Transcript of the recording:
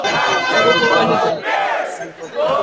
আমার তো ধারণা তিনি রাগ করে বাচ্চাদের নিয়ে বাবার বাড়িতে চলে গেছেন।